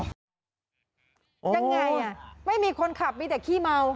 ยังไงอ่ะไม่มีคนขับมีแต่ขี้เมา